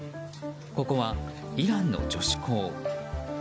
ここはイランの女子校。